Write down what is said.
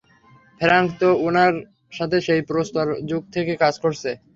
Frank তো উনার সাথে সেই প্রস্তর যুগ থেকে কাজ করছে!